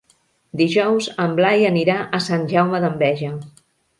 Dijous en Blai anirà a Sant Jaume d'Enveja.